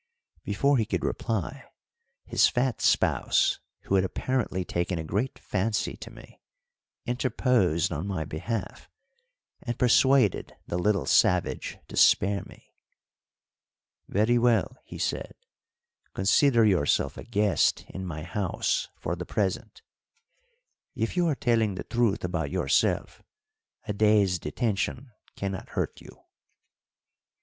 Before he could reply, his fat spouse, who had apparently taken a great fancy to me, interposed on my behalf, and persuaded the little savage to spare me. "Very well," he said, "consider yourself a guest in my house for the present; if you are telling the truth about yourself, a day's detention cannot hurt you."